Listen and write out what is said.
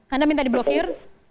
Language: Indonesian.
anda minta diblokir